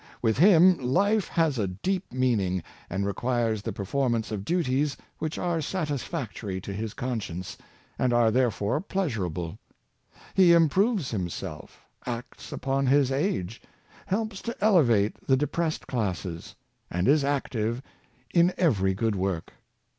With him life has a deep meaning, and requires the performance of duties which are satisfac tory to his conscience, and are therefore pleasurable. He improves himself, acts upon his age, helps to elevate the depressed classes, and is active in every good work.